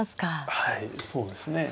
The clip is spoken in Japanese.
はいそうですね。